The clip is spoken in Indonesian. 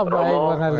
baik bang ali